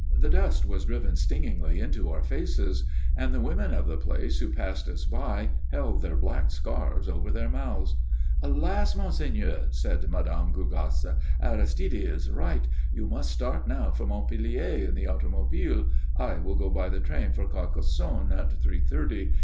The dust was driven stingingly into our faces, and the women of the place who passed us by held their black scarves over their mouths. "Alas, monseigneur," said Mme. Gougasse, "Aristide is right. You must start now for Montpellier in the automobile. I will go by the train for Carcassonne at three thirty.